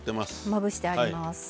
まぶしてあります。